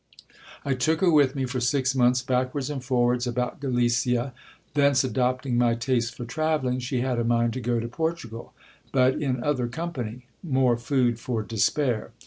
I took her with me for six months backwards and forwards about Galicia ; thence, adopting my taste for travelling, she had a mind to go to Portugal, but in other company — more food for despair.